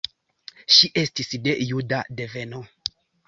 Ŝi estis de juda deveno.